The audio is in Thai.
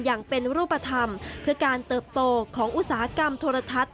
อย่างเป็นรูปธรรมเพื่อการเติบโตของอุตสาหกรรมโทรทัศน์